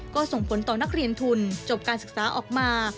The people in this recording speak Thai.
ก็ส่งผลต่อนักเรียนทุนจบการศึกษาออกมา